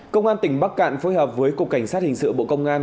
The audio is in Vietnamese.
công an tỉnh bắc cạn phối hợp với cục cảnh sát hình sự bộ công an